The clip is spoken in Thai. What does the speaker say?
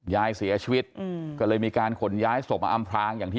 ยายเสียชีวิตก็เลยมีการขนยายส่งมาอำพลาง